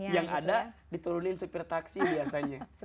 yang ada diturunin sepirtaksi biasanya